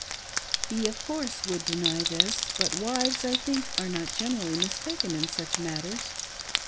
He, of course, would deny this ; but wives, I think, are not generally mistaken in such matters.